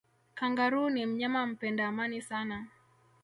kangaroo ni mnyama mpenda amani sana